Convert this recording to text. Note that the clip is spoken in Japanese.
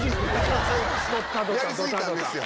やり過ぎたんですよ。